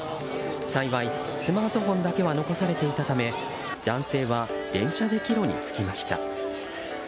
幸いスマートフォンだけは残されていたため男性は電車で帰路につきました。